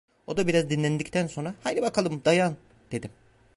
O da biraz dinlendikten sonra: 'Haydi bakalım dayan!' dedim.